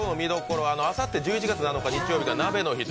あさって、１１月７日、日曜日が鍋の日です。